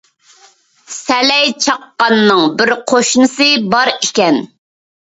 سەلەي چاققاننىڭ بىر قوشنىسى بار ئىكەن.